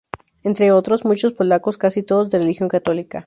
Entre otros, muchos polacos, casi todos de religión católica.